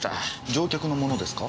乗客のものですか？